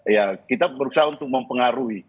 ya kita berusaha untuk mempengaruhi